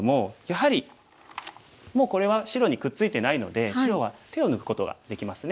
やはりもうこれは白にくっついてないので白は手を抜くことができますね。